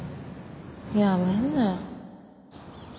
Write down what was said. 辞めんなよ